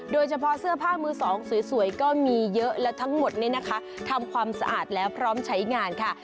โดยเฉพาะเสื้อผ้ามือสองสวยก็มีเยอะและทั้งหมดนี้นะคะทำความสะอาดแล้วพร้อมใช้งานค่ะ